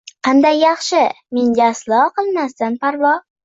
Qanday yaxshi, menga aslo qilmasdan parvo